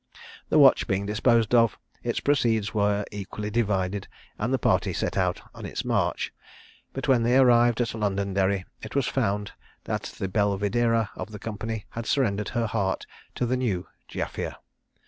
The watch being disposed off, its proceeds were equally divided, and the party set out on its march; but when they arrived at Londonderry, it was found that the Belvidera of the company had surrendered her heart to the new Jaffier.